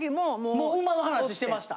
もう馬の話してました。